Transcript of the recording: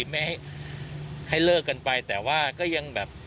ไม่ให้เลิกกันไปแต่ว่าก็ยังแบบ